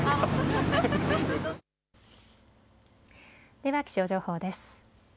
では気象情報です。